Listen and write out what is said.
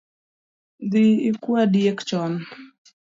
Dhi ikua diek chon